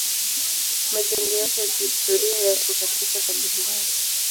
Majengo yake ya kihistoria yako katika hali mbaya.